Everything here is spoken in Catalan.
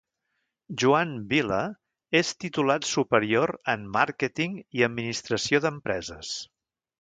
Joan Vila és titulat superior en màrqueting i administració d'empreses.